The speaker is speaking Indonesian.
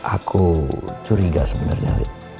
aku curiga sebenernya